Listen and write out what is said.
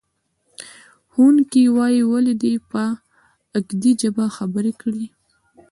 ښوونکی وایي، ولې دې په اکدي ژبه خبرې کړې؟